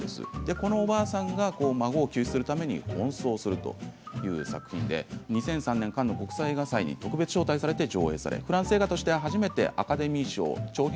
このおばあさんが孫を救出するために奔走するという作品で２００３年カンヌ国際映画祭特別招待されて上演されフランス映画として初めてアカデミー賞長編